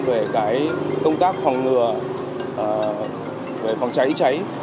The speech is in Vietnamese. về công tác phòng ngừa về phòng cháy cháy